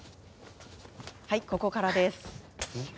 はい、ここからです。